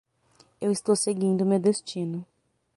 Eu estou seguindo meu destino.